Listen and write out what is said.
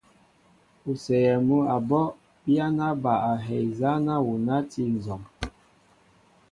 O séyɛɛ mŭ a ɓɔl, biyana ba hɛy nzanɛɛ awuna a ti nzɔm.